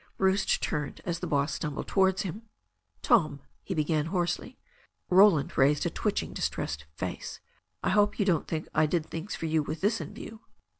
Bruce turned as the boss stumbled towards him. "Tom," he began hoarsely. Roland raised a twitching, distressed face. "I hope you don't think I did things for you with this in view."